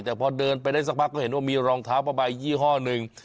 แต่พอเดินไปได้สักพักก็เห็นว่ามีรองเท้าผ้าใบยี่ห้อหนึ่ง